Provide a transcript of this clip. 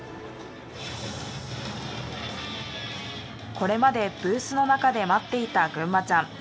これまでブースの中で待っていたぐんまちゃん。